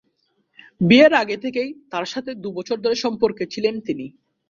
বিয়ের আগে থেকেই তার সাথে দু'বছর ধরে সম্পর্কে ছিলেন তিনি।